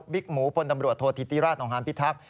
บิกหมูพลตำรวจโทษธิติราชองค์ฮานพิทัพ